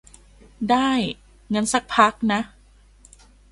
ได้ งั้นซักพักนะ